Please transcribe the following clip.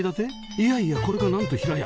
いやいやこれがなんと平屋